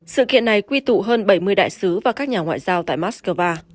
sự kiện này quy tụ hơn bảy mươi đại sứ và các nhà ngoại giao tại moscow